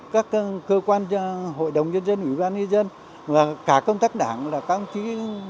các cơ quan hội đồng nhân dân ủy ban nhân dân và cả công tác đảng là các ông chí